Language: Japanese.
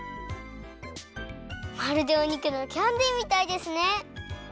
まるでお肉のキャンディーみたいですね！